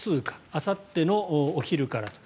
あさってのお昼からと。